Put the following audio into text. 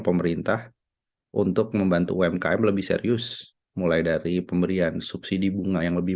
pemerintah untuk membantu umkm lebih serius mulai dari pemberian subsidi bunga yang lebih